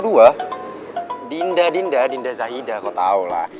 dinda dinda dinda zahidah kau tahu lah